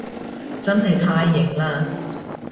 真係太型喇